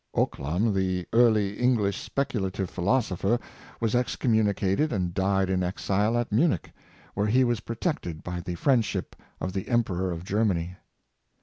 Ockham, the early English speculative philosopher, was excommu nicated, and died in exile at Munich, where he was protected by the friendship of the Emperor of Ger many.